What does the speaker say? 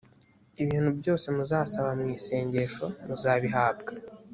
ibintu byose muzasaba mu isengesho muzabihabwa